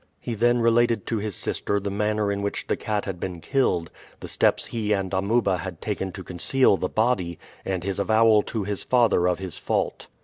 He then related to his sister the manner in which the cat had been killed, the steps he and Amuba had taken to conceal the body, and his avowal to his father of his fault.